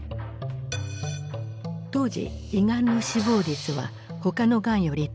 当時胃がんの死亡率は他のがんより高かった。